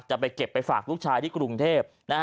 จะไปเก็บไปฝากลูกชายที่กรุงเทพ